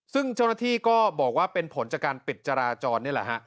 ซึ่งเจ้าหน้าที่ก็บอกว่าเป็นผลจากการปิดจราจรนี่แหละฮะ